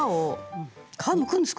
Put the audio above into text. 皮むくんですか？